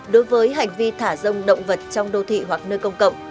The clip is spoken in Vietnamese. đối với hành vi thả rông động vật trong đô thị hoặc nơi công cộng